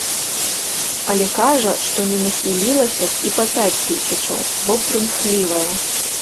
Але кажа, што не нахілілася б і па пяць тысячаў, бо прымхлівая.